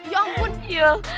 ya ampun yul